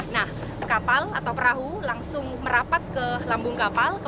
nah kapal atau perahu langsung merapat ke lambung kapal